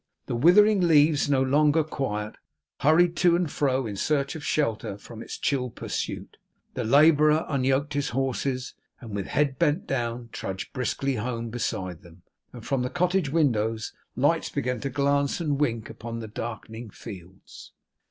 The withering leaves no longer quiet, hurried to and fro in search of shelter from its chill pursuit; the labourer unyoked his horses, and with head bent down, trudged briskly home beside them; and from the cottage windows lights began to glance and wink upon the darkening fields.